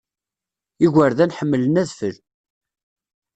Igerdan ḥemmlen adfel.